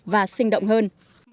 và sinh động hơn